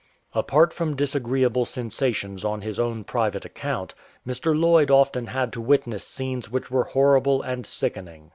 Apart from disagreeable sensations on his own private account, Mr. IJoyd often had to witness scenes which were horrible and sickening.